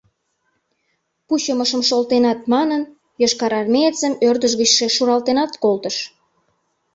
— Пучымышым шолтенат? — манын, йошкарармеецым ӧрдыж гычше шуралтенат колтыш.